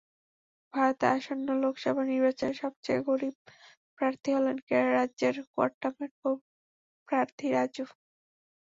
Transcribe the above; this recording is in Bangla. ভারতের আসন্ন লোকসভা নির্বাচনে সবচেয়ে গরিব প্রার্থী হলেন কেরালা রাজ্যের কোট্টায়ামের প্রার্থী রাজু।